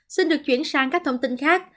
xin được chuyển sang các thông tin khác